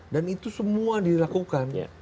dan itu semua dilakukan